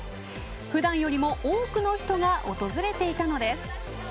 普段よりも多くの人が訪れていたのです。